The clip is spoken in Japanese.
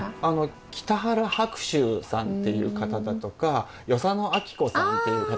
北原白秋さんっていう方だとか与謝野晶子さんっていう方。